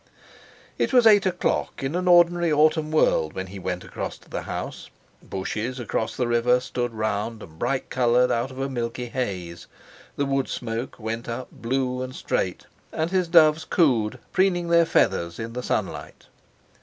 It was eight o'clock in an ordinary autumn world when he went across to the house. Bushes across the river stood round and bright coloured out of a milky haze; the wood smoke went up blue and straight; and his doves cooed, preening their feathers in the sunlight.